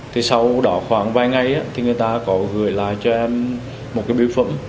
thì sau đó khoảng vài ngày người ta có gửi lại cho em một cái biểu phẩm